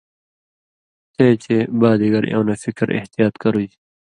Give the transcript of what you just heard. تے چےۡ بادِگر اېوں نہ فِکر (احتیاط) کرُژ۔